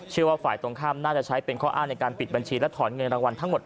ว่าฝ่ายตรงข้ามน่าจะใช้เป็นข้ออ้างในการปิดบัญชีและถอนเงินรางวัลทั้งหมด